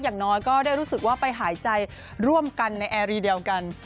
อย่างน้อยก็ได้รู้สึกว่าไปหายใจร่วมกันในแอร์รีเดียวกัน